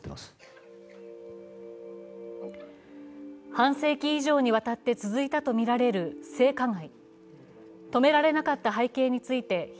半世紀以上にわたって続いたとみられる性加害。